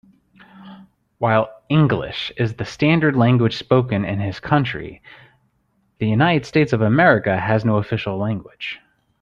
While English is the standard language spoken in his country, the United States of America has no official language.